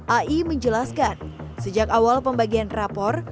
ai menjelaskan sejak awal pembagian rapor